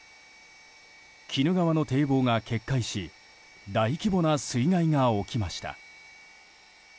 鬼怒川の堤防が決壊し大規模な水害が起きました。